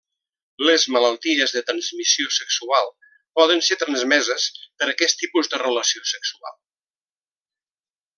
Les malalties de transmissió sexual, poden ser transmeses per aquest tipus de relació sexual.